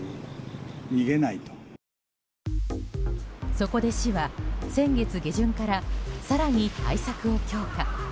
そこで市は先月下旬から更に対策を強化。